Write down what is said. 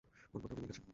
কোন পথে ওকে নিয়ে গেছে?